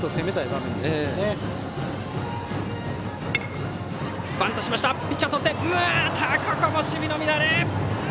ここも守備の乱れ！